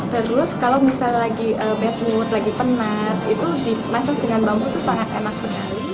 terus kalau misalnya lagi befood lagi penat itu dimasak dengan bambu itu sangat enak sekali